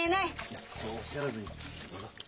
いやそうおっしゃらずにどうぞ。